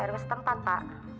rt setempat pak